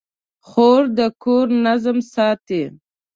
خور د کور نظم ساتي.